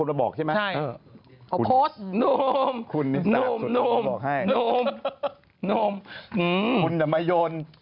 เด็กจะท้อนหงอกฉัน